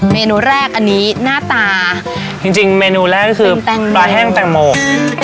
เมนูแรกอันนี้หน้าตาจริงเมนูแรกคือปลาแห้งแปลงโหม